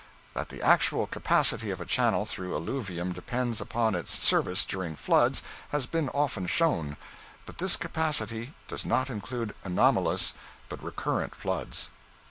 That the actual capacity of a channel through alluvium depends upon its service during floods has been often shown, but this capacity does not include anomalous, but recurrent, floods.